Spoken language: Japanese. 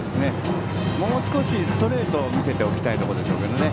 もう少しストレートを見せておきたいところですね。